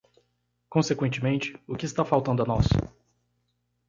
Consequentemente, o que está faltando a nós?